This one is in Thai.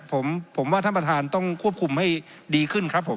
ผมผมว่าท่านประธานต้องควบคุมให้ดีขึ้นครับผม